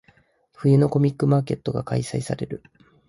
冬のコミックマーケットが開催される。